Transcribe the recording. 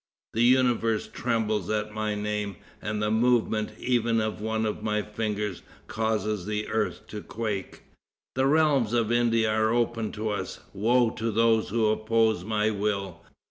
The universe trembles at my name, and the movement even of one of my fingers causes the earth to quake. The realms of India are open to us. Woe to those who oppose my will.